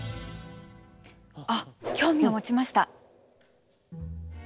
あっ興味を持ちました！